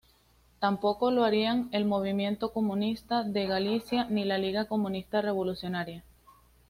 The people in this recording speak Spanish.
Tampoco lo harían el Movimiento Comunista de Galicia ni la Liga Comunista Revolucionaria.